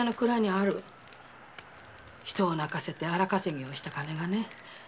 人を泣かせて荒稼ぎした金がね。